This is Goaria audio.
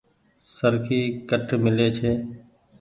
سرکي ڪٺ ميلي ڇي۔